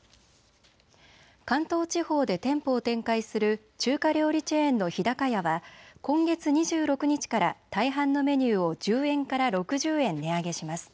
関東地方で店舗を展開する中華料理チェーンの日高屋は今月２６日から大半のメニューを１０円から６０円値上げします。